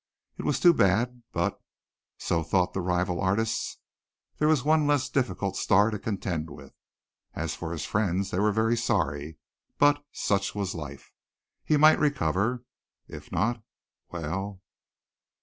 It was too bad but so thought the rival artists there was one less difficult star to contend with. As for his friends, they were sorry, but such was life. He might recover. If not, well